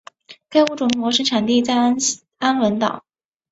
该物种的模式产地在安汶岛。